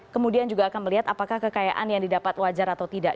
kemudian juga akan melihat apakah kekayaan yang didapat wajar atau tidak